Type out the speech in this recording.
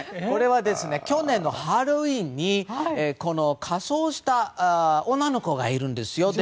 これは、去年のハロウィーンに仮装した女の子がいるんです。